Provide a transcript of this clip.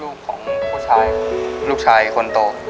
ลูกชายของผู้ชายลูกชายคนโต